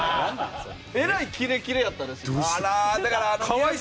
えらいキレキレやったらしい。